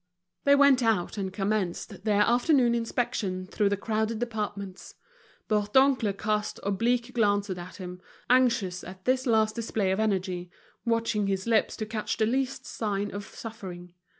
They went out and commenced their afternoon inspection through the crowded departments. Bourdoncle cast oblique glances at him, anxious at this last display of energy, watching his lips to catch the least sign of suffering.